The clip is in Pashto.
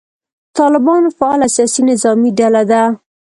طالبان فعاله سیاسي نظامي ډله ده.